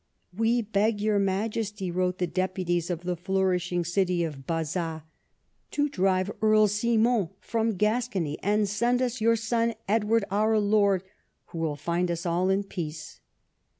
"We beg your Majesty," wrote the deputies of the flourishing city of Bazas, "to drive Earl Simon from Gascony, and send us your son Edward, our lord, who will find us all in peace."